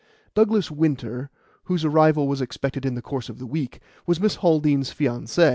Douglas Winter, whose arrival was expected in the course of the week, was Miss Haldean's fiancé.